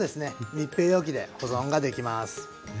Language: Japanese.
密閉容器で保存ができます。